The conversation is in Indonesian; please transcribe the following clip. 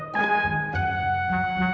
gak ada de